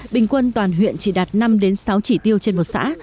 bình quân toàn huyện chỉ đạt năm sáu chỉ tiêu trên một xã